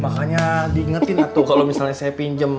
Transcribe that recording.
makanya diingetin lah tuh kalo misalnya saya pinjem